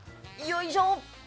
よいしょ！